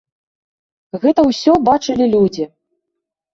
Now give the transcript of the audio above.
Гэта ўсё бачылі людзі.